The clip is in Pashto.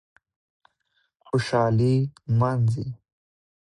خوشالي نمانځي